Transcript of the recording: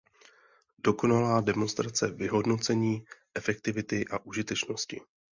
Dokonalá demonstrace vyhodnocení efektivity a užitečnosti.